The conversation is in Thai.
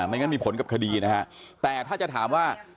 ไม่งั้นมีผลกับคดีนะฮะแต่ถ้าจะถามว่า